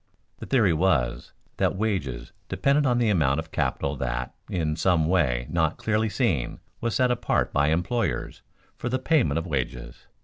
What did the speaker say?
The theory was that wages depended on the amount of capital that, in some way not clearly seen, was set apart by employers for the payment of wages.